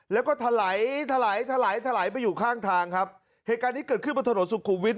แล้วก็ทะไหลทะไหลทะไหลทะไหลไปอยู่ข้างทางครับเหตุการณ์นี้เกิดขึ้นบนถนนสุขุมวิท